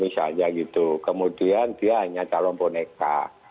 misalnya gitu kemudian dia hanya calon boneka